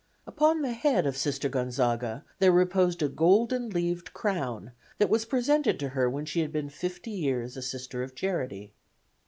Upon the head of Sister Gonzaga there reposed a golden leaved crown, that was presented to her when she had been 50 years a Sister of Charity.